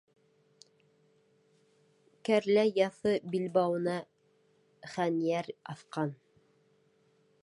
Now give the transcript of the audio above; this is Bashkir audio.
Кәрлә яҫы билбауына хәнйәр аҫҡан.